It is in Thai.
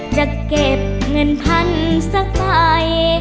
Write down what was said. จะเก็บเงินพันธุ์สักปลาย